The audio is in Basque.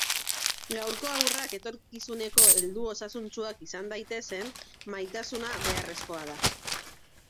Gaurko haurrak etorkizuneko heldu osasuntsuak izan daitezen, maitasuna beharrezkoa da.